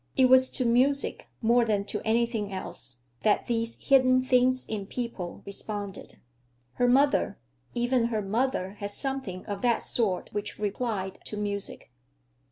It was to music, more than to anything else, that these hidden things in people responded. Her mother—even her mother had something of that sort which replied to music.